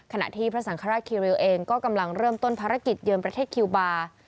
ขณะที่พระสังฆราชคิริวเองก็กำลังเริ่มต้นภารกิจเยือนประเทศคิวบาร์